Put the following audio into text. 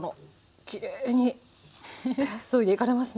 きれいにそいでいかれますね。